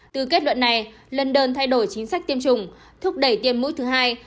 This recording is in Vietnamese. từ kết luận này london thay đổi chính sách tiêm chủng thúc đẩy tiêm mũi thứ hai